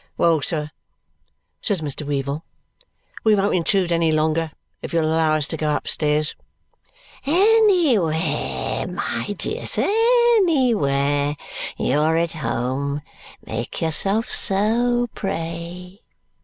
"Well, sir," says Mr. Weevle. "We won't intrude any longer if you'll allow us to go upstairs." "Anywhere, my dear sir, anywhere! You're at home. Make yourself so, pray!"